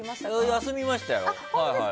休みましたよ。